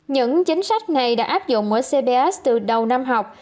những chính sách này đã áp dụng ở cbs từ đầu năm học